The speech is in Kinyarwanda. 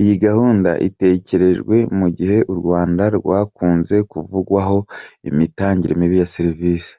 Iyi gahunda itekerejwe mu gihe u Rwanda rwakunze kuvugwaho imitangire mibi ya serivisi.